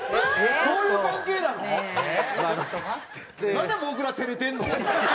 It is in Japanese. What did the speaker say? なんでもぐら照れてるの？